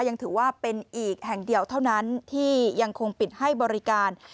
ยังถือว่าเป็นอีกแห่งเดียวเท่านั้นที่ยังคงปิดให้บริการ